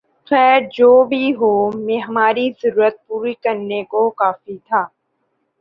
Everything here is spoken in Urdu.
خیر جو بھی ہو ہماری ضرورت پوری کرنے کو کافی تھا